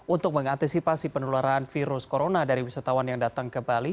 untuk mengantisipasi penularan virus corona dari wisatawan yang datang ke bali